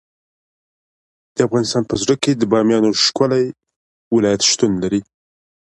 د افغانستان په زړه کې د بامیان ښکلی ولایت شتون لري.